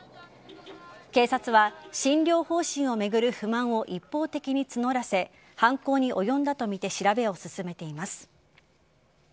警察は診療方針を巡る不満を一方的に募らせ犯行に及んだとみて調べを進めています。